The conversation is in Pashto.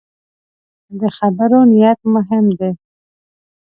د خبرو نیت مهم دی